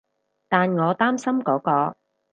但我擔心嗰個